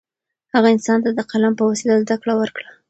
هغه انسان ته د قلم په وسیله زده کړه ورکړه.